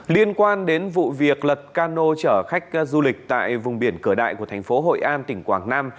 liên quan đến vụ việc lật cano chở khách du lịch tại vùng biển cửa đại của thành phố hội an tỉnh quảng nam